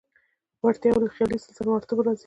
وړتیاوې له خیالي سلسله مراتبو راځي.